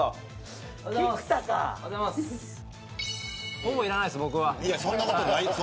もういらないです、僕は。